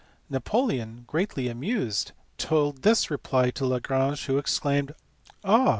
" Napoleon, greatly amused, told this reply to Lagrange, who exclaimed, " Ah